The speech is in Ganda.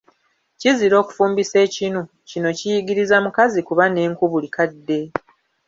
Kizira okufumbisa ekinu, kino kiyigiriza mukazi kuba n’enku buli kadde.